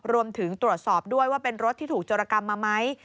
รวมถึงตรวจสอบด้วยว่าเป็นรถที่ถูกโจรกรรมมาไหม